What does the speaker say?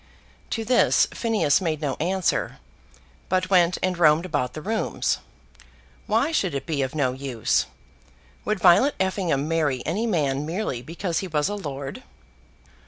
To this Phineas made no answer, but went and roamed about the rooms. Why should it be of no use? Would Violet Effingham marry any man merely because he was a lord?